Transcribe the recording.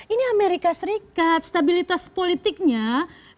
ini amerika serikat stabilitas politiknya sebagai negara